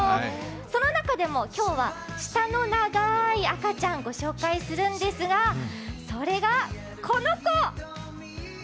その中でも今日は舌の長い赤ちゃんをご紹介するんですがそれがこの子！